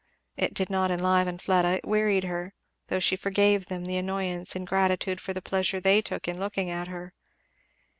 It did not enliven Fleda, it wearied her, though she forgave them the annoyance in gratitude for the pleasure they took in looking at her.